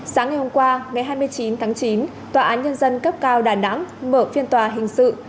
sáng ngày hôm qua ngày hai mươi chín tháng chín tòa án nhân dân cấp cao đà nẵng mở phiên tòa hình sự